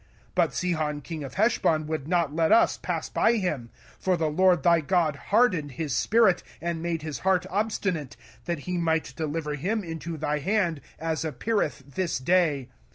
05:002:030 But Sihon king of Heshbon would not let us pass by him: for the LORD thy God hardened his spirit, and made his heart obstinate, that he might deliver him into thy hand, as appeareth this day.